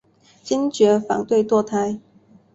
坚决反对堕胎。